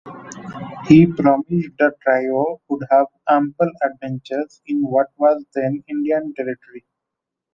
He promised the trio would have ample adventures in what was then Indian Territory.